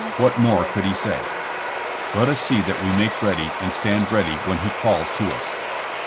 What more could he say? Let us see that we make ready and stand ready when He calls to us.